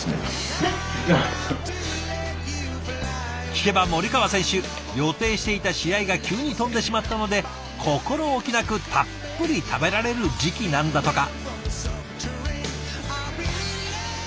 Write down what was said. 聞けば森川選手予定していた試合が急に飛んでしまったので心おきなくたっぷり食べられる時期なんだとか。